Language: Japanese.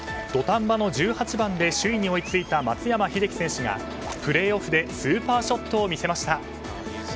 土壇場の１８番で首位に追いついた松山英樹選手がプレーオフでスーパーショットを見せました。